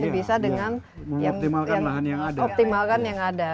bisa dengan mengoptimalkan lahan yang ada